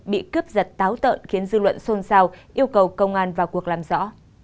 bị cướp giật táo tợn khiến dư luận xôn xao yêu cầu công an vào cuộc làm rõ